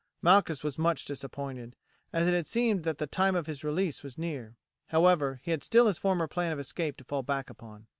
Malchus was much disappointed, as it had seemed that the time of his release was near; however, he had still his former plan of escape to fall back upon.